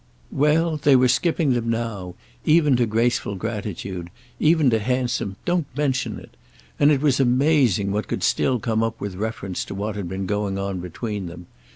Well, they were skipping them now, even to graceful gratitude, even to handsome "Don't mention it!"—and it was amazing what could still come up without reference to what had been going on between them.